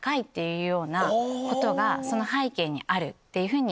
その背景にあるっていうふうに。